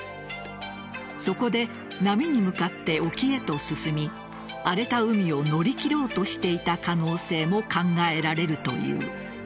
そこで波に向かって沖へと進み荒れた海を乗り切ろうとしていた可能性も考えられるという。